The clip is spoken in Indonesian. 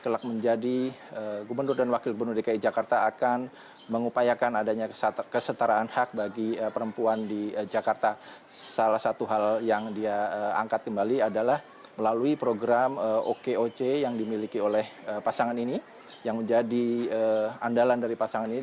ketua umum pdi perjuangan yang juga presiden ri